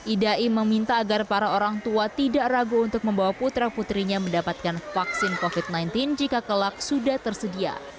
idai meminta agar para orang tua tidak ragu untuk membawa putra putrinya mendapatkan vaksin covid sembilan belas jika kelak sudah tersedia